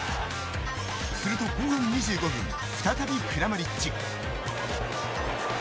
すると後半２５分再びクラマリッチ。